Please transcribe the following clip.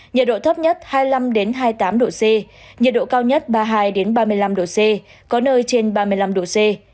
nhiệt độ thấp nhất hai mươi năm hai mươi tám độ c nhiệt độ cao nhất ba mươi hai ba mươi năm độ c có nơi trên ba mươi năm độ c